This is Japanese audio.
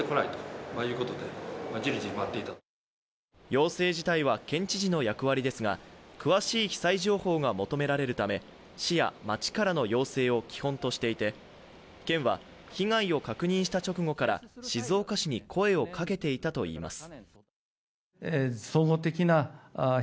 要請自体は県知事の役割ですが、詳しい被災情報が求められるため、市や町からの要請を基本としていて、県は被害を確認した直後から静岡市に声をかけていたといいます。